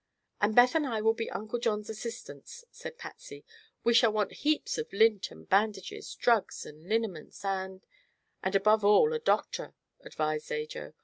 "And Beth and I will be Uncle John's assistants," said Patsy. "We shall want heaps of lint and bandages, drugs and liniments and " "And, above all, a doctor," advised Ajo.